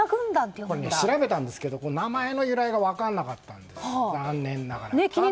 調べたんですが名前の由来が分からなかったんです残念ながら。